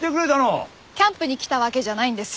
キャンプに来たわけじゃないんです。